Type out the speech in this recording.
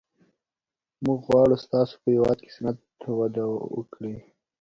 موږ غواړو ستاسو په هېواد کې صنعت وده وکړي